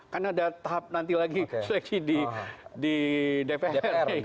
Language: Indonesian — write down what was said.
kan ada tahap nanti lagi seleksi di dpr ri